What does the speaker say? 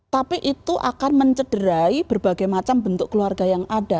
tapi itu akan mencederai berbagai macam bentuk keluarga yang ada